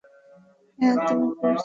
হ্যা, তুমি করছো।